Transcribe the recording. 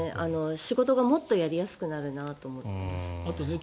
仕事がもっとやりやすくなると思います。